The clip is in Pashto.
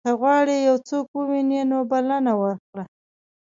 که غواړې یو څوک ووینې نو بلنه ورکړه.